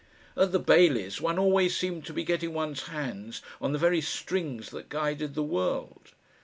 At the Baileys' one always seemed to be getting one's hands on the very strings that guided the world.